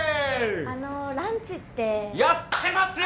あのランチってやってますよ